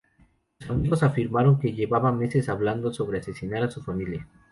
Sus amigos afirmaron que llevaba meses hablando sobre asesinar a su familia.